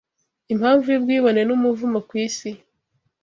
impamvu y’ubwibone n’umuvumo ku isi